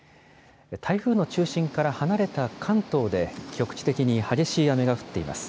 台風の中心から離れた関東で、局地的に激しい雨が降っています。